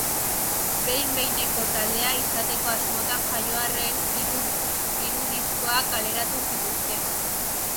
Behin-behineko taldea izateko asmotan jaio arren, hiru diskoa kaleratu zituzten.